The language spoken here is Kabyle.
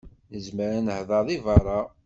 Nezmer ad nehder deg berra.